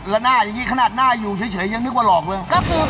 แล้วหน้าอย่างนี้ขนาดหน้าอยู่เฉยยังนึกว่าหลอกเลย